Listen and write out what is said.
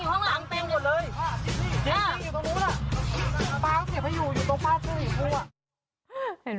อ่ะอันนี้อ๋อ